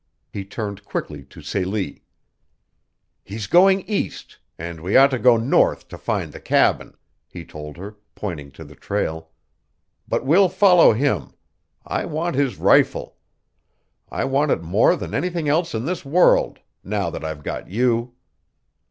He turned quickly to Celie. "He's going east and we ought to go north to find the cabin," he told her, pointing to the trail. "But we'll follow him. I want his rifle. I want it more than anything else in this world, now that I've got you.